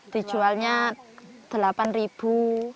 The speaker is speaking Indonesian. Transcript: dijualnya delapan ribu